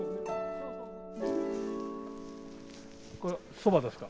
これそばですか？